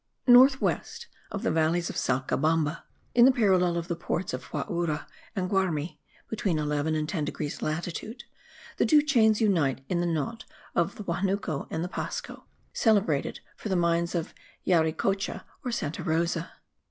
North west of the valleys of Salcabamba, in the parallel of the ports of Huaura and Guarmey, between 11 and 10 degrees latitude, the two chains unite in the knot of the Huanuco and the Pasco, celebrated for the mines of Yauricocha or Santa Rosa.